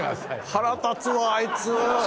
腹立つわあいつ！